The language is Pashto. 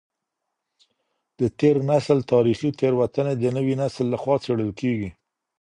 د تېر نسل تاريخي تېروتني د نوي نسل لخوا څېړل کېږي.